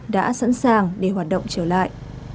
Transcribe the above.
đã sẵn sàng để hoạt động trở lại